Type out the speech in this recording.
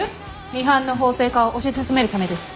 ミハンの法制化を推し進めるためです。